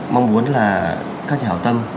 mong muốn là các nhà hảo tâm